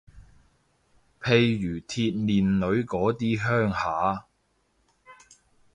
譬如鐵鍊女嗰啲鄉下